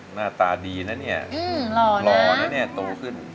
หน้าตาดีนะเนี่ยหล่อนะโตขึ้น